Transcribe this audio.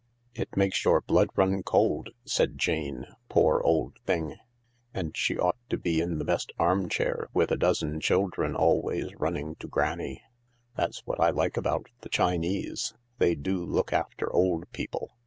" It makes your blood run cold," said Jane, " Poor old thing ! And she ought to be in the best arm chair, with a dozen children always running to Granny. That's what I like about the Chinese. They do look after old people.